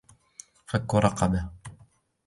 فك رقبة